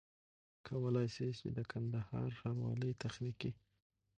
کولای سي چي د کندهار ښاروالۍ تخنيکي